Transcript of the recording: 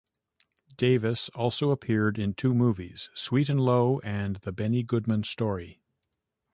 Davis also appeared in two movies, "Sweet and Low" and "The Benny Goodman Story".